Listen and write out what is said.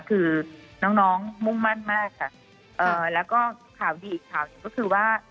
คือน้องน้องมุ่งมั่นมากค่ะเอ่อแล้วก็ข่าวดีอีกข่าวหนึ่งก็คือว่า